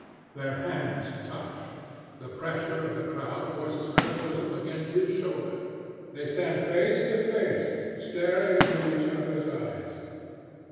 Their hands touch; the pressure of the crowd forces her bosom against his shoulder; they stand face to face, staring into each other's eyes.